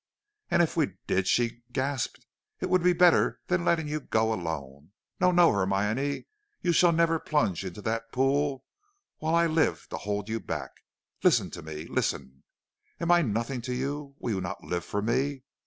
"'And if we did,' she gasped, 'it would be better than letting you go alone. No, no, Hermione, you shall never plunge into that pool while I live to hold you back. Listen to me, listen. Am I nothing to you? Will you not live for me?